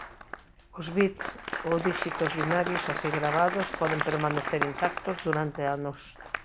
Os bits ou díxitos binarios así gravados poden permanecer intactos durante anos.